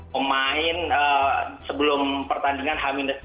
pemain sebelum pertandingan